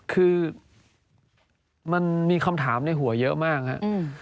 คือมันมีคำถามในหัวเยอะมากครับ